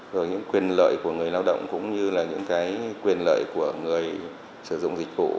rồi những quyền lợi của người lao động cũng như là những cái quyền lợi của người sử dụng dịch vụ